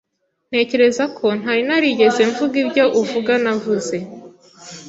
Ntekereza ko ntari narigeze mvuga ibyo uvuga navuze.